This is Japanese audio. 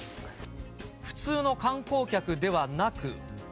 普通の観光客ではなく。